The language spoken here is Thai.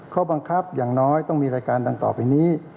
ข้อบังคับอย่างน้อยต้องมีรายการดังต่อไปนี้